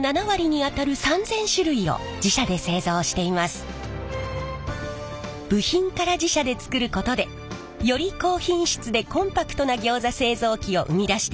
重要なカムをはじめ使う部品から自社で作ることでより高品質でコンパクトなギョーザ製造機を生み出しているんです。